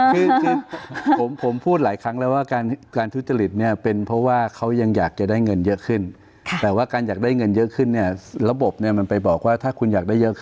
คือผมพูดหลายครั้งแล้วว่าการทุจริตเนี่ย